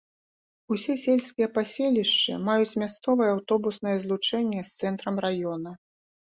Усе сельскія паселішчы маюць мясцовае аўтобуснае злучэнне з цэнтрам раёна.